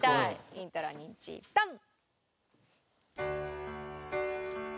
イントロニンチ・ドン！